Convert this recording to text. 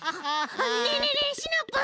ねえねえねえシナプー。